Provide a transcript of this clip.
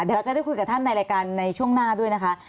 เดี๋ยวเราจะได้คุยกับท่านในรายการในช่วงหน้าด้วยนะคะ